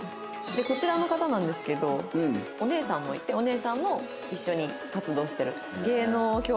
こちらの方なんですけどお姉さんもいてお姉さんも一緒に活動していると。